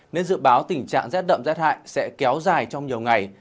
nên dự báo tình trạng rét đậm rét hại sẽ kéo dài trong nhiều ngày